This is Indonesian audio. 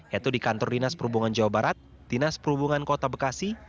yaitu di kantor dinas perhubungan jawa barat dinas perhubungan kota bekasi